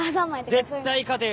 絶対勝てよ！